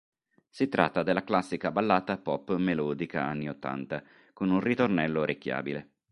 Si tratta della classica ballata pop melodica anni ottanta, con un ritornello orecchiabile.